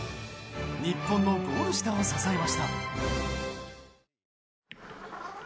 日本のゴール下を支えました。